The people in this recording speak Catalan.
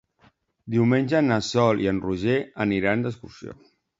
Diumenge na Sol i en Roger aniran d'excursió.